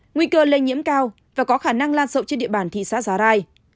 nguy cơ lây nhiễm cao và có khả năng lan sậu trên địa bàn thị xã già rai